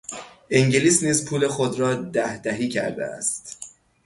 انگلیس نیز پول خود را دهدهی کرده است.